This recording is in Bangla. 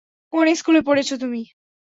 কোন স্কুলে পড়েছো তুমি?